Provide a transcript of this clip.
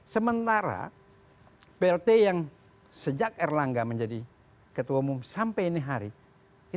sementara plt yang sejak erlangga menjadi ketua umum sampai ini hari ini